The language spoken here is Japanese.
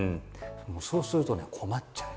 そうするとね困っちゃう。